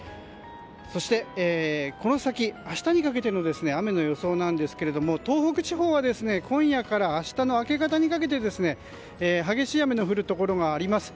そして、この先、明日にかけての雨の予想なんですけれども東北地方は今夜から明日の明け方にかけて激しい雨の降るところがあります。